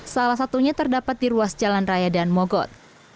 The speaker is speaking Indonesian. salah satunya terdapat di ruas jalan raya dan mogot